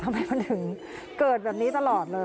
ทำไมมันถึงเกิดแบบนี้ตลอดเลย